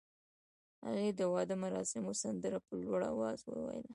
هغې د واده مراسمو سندره په لوړ اواز وویل.